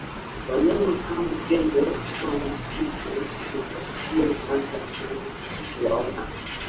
Wanyama kama Tembo swala fisi na Simba sio nadra sana kuwaona